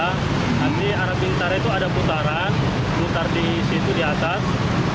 nanti arah bintara itu ada putaran putar di situ di atas